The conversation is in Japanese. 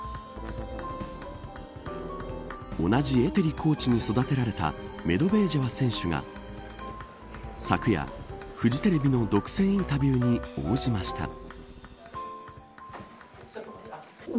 同じエテリコーチに育てられたメドベージェワ選手が昨夜、フジテレビの独占インタビューに応じました。